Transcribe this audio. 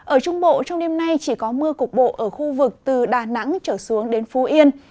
ở trung bộ trong đêm nay chỉ có mưa cục bộ ở khu vực từ đà nẵng trở xuống đến phú yên